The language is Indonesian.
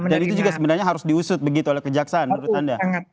dan itu juga sebenarnya harus diusut begitu oleh kejaksaan menurut anda